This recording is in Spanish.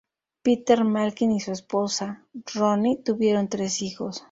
Peter Malkin y su esposa, Roni, tuvieron tres hijos.